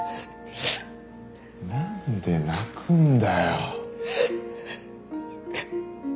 なんで泣くんだよ。